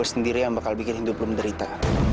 sendiri yang bakal bikin hindu penderita